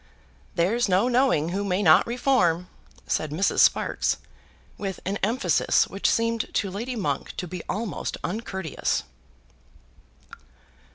"There's no knowing who may not reform," said Mrs. Sparkes, with an emphasis which seemed to Lady Monk to be almost uncourteous.